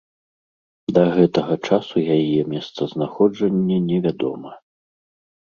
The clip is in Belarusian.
Да гэтага часу яе месцазнаходжанне невядома.